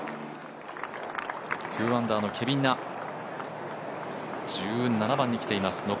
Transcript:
１０アンダーのケビン・ナ、１７番に来ています。